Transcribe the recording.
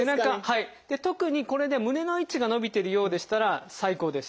特にこれで胸の位置が伸びてるようでしたら最高です。